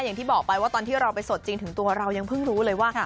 อย่างที่บอกไปว่าตอนที่เราไปสดจริงถึงตัวเรายังเพิ่งรู้เลยว่า